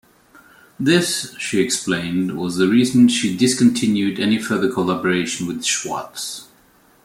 This, she explained, was the reason she discontinued any further collaboration with Schwarz.